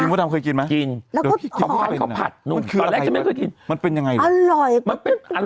พี่หมูทำเคยกินไหมพ่อกินผมซื้องของผัดสักตอนแรกนั้นค่อยไม่เคยกิน